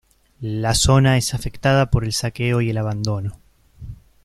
La zona es afectada por el saqueo y el abandono.